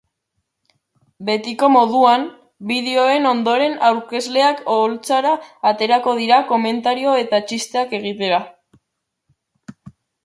Betiko moduan, bideoen ondoren aurkezleak oholtzara aterako dira komentario eta txisteak egitera.